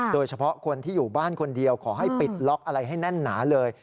โดยเฉพาะคนที่อยู่บ้านคนเดียวขอให้ปิดล็อกอะไรให้แน่นหนาเลย